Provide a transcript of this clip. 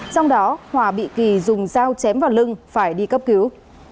trong đó hòa bị kỳ dùng dao chém vào lưng phải đi cấp cứu